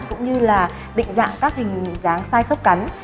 cũng như là định dạng các hình dáng sai khớp cắn